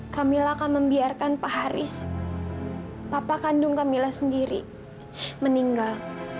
kamilah akan membiarkan pak haris bapak kandung kamila sendiri meninggal